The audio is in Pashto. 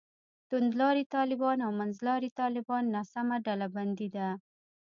توندلاري طالبان او منځلاري طالبان ناسمه ډلبندي ده.